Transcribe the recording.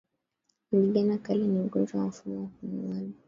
Ndigana kali ni ugonjwa wa mfumo wa upumuaji